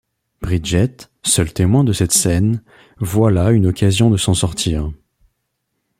Bridget, seul témoin de cette scène, voit là une occasion de s’en sortir…